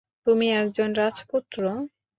তুমি একজন রাজপুত্র?